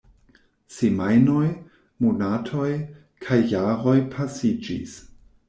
Semajnoj, monatoj, kaj jaroj pasiĝis.